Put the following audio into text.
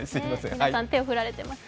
皆さん、手を振られてますね。